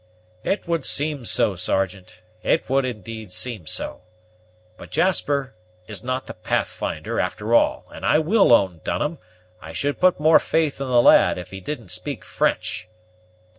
"It would seem so, Sergeant; it would indeed seem so. But Jasper is not the Pathfinder, after all; and I will own, Dunham, I should put more faith in the lad if he didn't speak French."